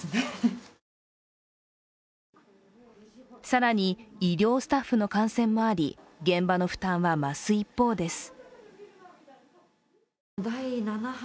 更に、医療スタッフの感染もあり現場の負担は増す一方です。